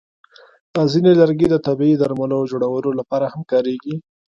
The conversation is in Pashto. ځینې لرګي د طبیعي درملو جوړولو لپاره هم کارېږي.